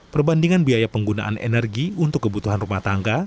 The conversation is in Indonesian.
perbandingan biaya penggunaan energi untuk kebutuhan rumah tangga